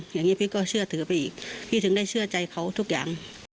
อย่างนี้พี่ก็เชื่อถือไปอีกพี่ถึงได้เชื่อใจเขาทุกอย่าง